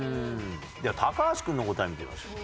では橋君の答え見てみましょう。